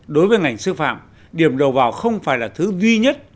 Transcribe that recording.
đối với ngành sư phạm điểm đầu vào không phải là thứ duy nhất